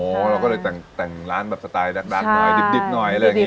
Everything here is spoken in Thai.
เราก็เลยแต่งร้านแบบสไตล์ดักหน่อยดิบหน่อยอะไรอย่างนี้